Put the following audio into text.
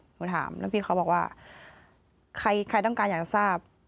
หนูถามแล้วพี่เขาบอกว่าใครต้องการอยากจะทราบ